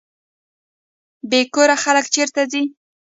بې کوره خلک چیرته ځي؟